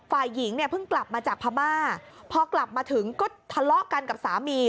ฝ่ายหญิงเนี่ยเพิ่งกลับมาจากพม่าพอกลับมาถึงก็ทะเลาะกันกับสามี